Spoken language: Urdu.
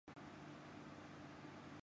وہاں خاص طرح کی جگہیں بنائی جاتی ہیں